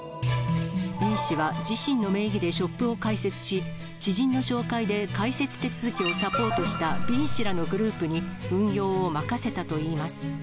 Ａ氏は自身の名義でショップを開設し、知人の紹介で、開設手続きをサポートしたＢ氏らのグループに、運用を任せたといいます。